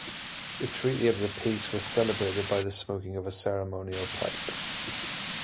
The Treaty of the Peace was celebrated by the smoking of a ceremonial pipe.